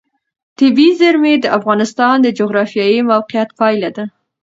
طبیعي زیرمې د افغانستان د جغرافیایي موقیعت پایله ده.